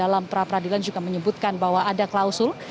para peradilan juga menyebutkan bahwa ada klausul